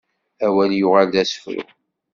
Awal yuɣal d asefru.